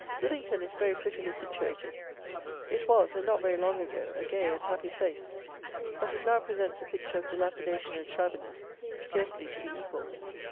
Withington is very prettily situated; it was, and not very long ago, a gay and nappy place; but it now presents a picture of dilapidation and shabbiness scarcely to be equalled.